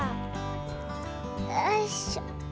よいしょ。